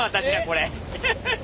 これ？